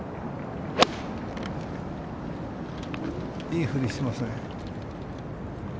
いい振りしてますね。